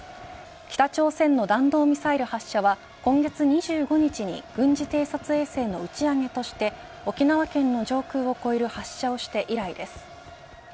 北朝鮮の弾道ミサイル発射は今月２５日に軍事偵察衛星の打ち上げとして沖縄県の上空を越える発射をして以来です。